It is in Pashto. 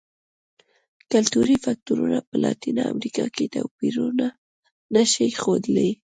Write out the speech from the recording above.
کلتوري فکټورونه په لاتینه امریکا کې توپیرونه نه شي ښودلی.